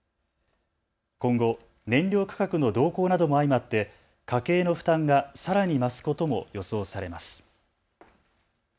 今後、燃料価格の動向なども相まって家計の負担がさらに増すことも予想されます。